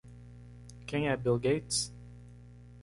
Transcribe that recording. Quem é Bill Gates?